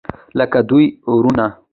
لکه دوه ورونه.